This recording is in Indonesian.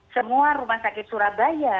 semua rumah sakit surabaya